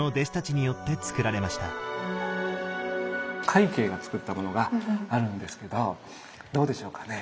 快慶がつくったものがあるんですけどどうでしょうかね？